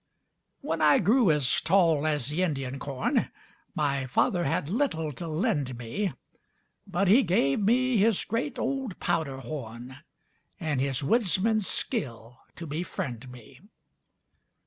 When I grew as tall as the Indian corn, My father had little to lend me, But he gave me his great, old powder horn And his woodsman's skill to befriend me.